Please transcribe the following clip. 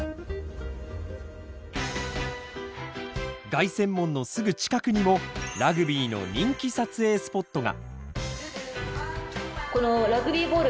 凱旋門のすぐ近くにもラグビーの人気撮影スポットが。